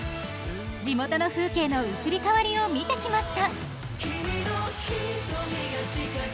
地元の風景の移り変わりを見てきました